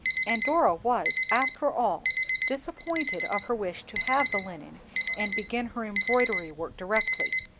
And Dora was, after all, disappointed of her wish to have the linen and begin her embroidery work directly.